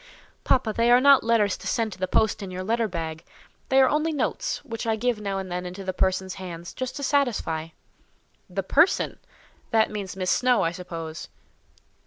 "Papa, they are not letters to send to the post in your letter bag; they are only notes, which I give now and then into the person's hands, just to satisfy." "The person! That means Miss Snowe, I suppose?"